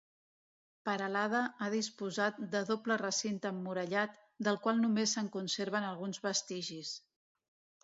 Peralada ha disposat de doble recinte emmurallat, del qual només se'n conserven alguns vestigis.